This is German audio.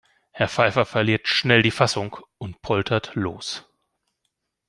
Herr Pfeiffer verliert schnell die Fassung und poltert los.